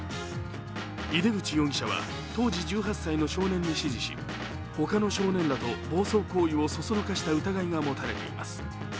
井手口容疑者は当時１８歳の少年に指示し他の少年らと暴走行為をそそのかした疑いが持たれています。